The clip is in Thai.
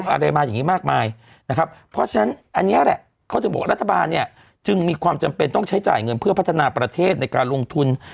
อะไรมาอย่างนี้มากมายนะครับเพราะฉะนั้นอันนี้แหละเขาถึงบอกรัฐบาลเนี่ยจึงมีความจำเป็นต้องใช้จ่ายเงินเพื่อพัฒนาประเทศในการลงทุน